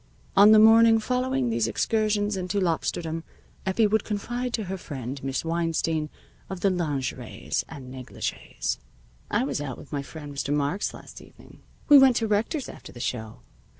On the morning following these excursions into Lobsterdom, Effie would confide to her friend, Miss Weinstein, of the lingeries and negligees: "I was out with my friend, Mr. Marks, last evening. We went to Rector's after the show.